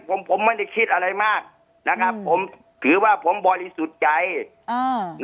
ผมผมไม่ได้คิดอะไรมากนะครับผมถือว่าผมบริสุทธิ์ใจอ่า